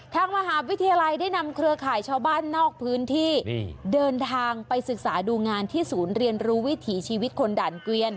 ทางมหาวิทยาลัยได้นำเครือข่ายชาวบ้านนอกพื้นที่เดินทางไปศึกษาดูงานที่ศูนย์เรียนรู้วิถีชีวิตคนด่านเกวียน